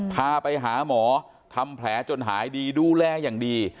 พาไปหาหมอทำแผลจนหายดีดูแลอย่างดี